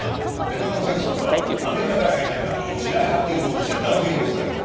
ベトナム戦争ではアメリカ海兵隊が地雷発見法としてダウジングを採用。